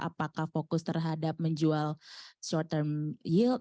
apakah fokus terhadap menjual short term yield